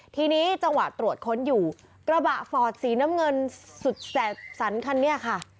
ทีนี้จังหวะตรวจค้นอยู่กระบะฟอร์ดสีน้ำเงินสุดแสบสันคันนี้ค่ะ